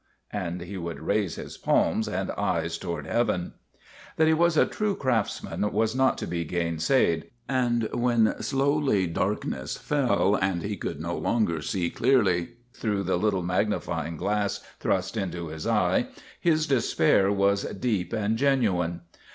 And he would raise his palms and eyes toward Heaven. That he was a true craftsman was not to be gain said, and when slowly darkness fell and he could no longer see clearly through the little magnifying glass thrust into his eye, his despair was deep and genu ine.